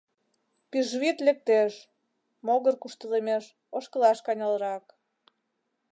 — Пӱжвӱд лектеш — могыр куштылемеш, ошкылаш каньылырак.